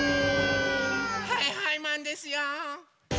はいはいマンですよ！